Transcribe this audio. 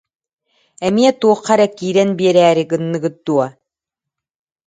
Эмиэ туохха эрэ киирэн биэрээри гынныгыт дуо